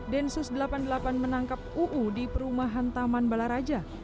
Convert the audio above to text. densus delapan puluh delapan menangkap uu di perumahan taman balaraja